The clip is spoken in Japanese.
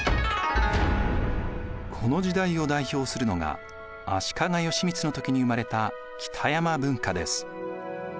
この時代を代表するのが足利義満の時に生まれた北山文化です。